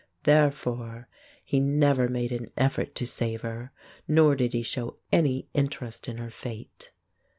Therefore, he never made an effort to save her, nor did he show any interest in her fate.